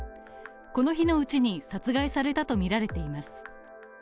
この日のうちに殺害されたとみられています。